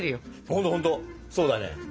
ほんとほんとそうだね。